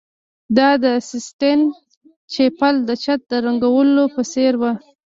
دا د سیسټین چیپل د چت د رنګولو په څیر و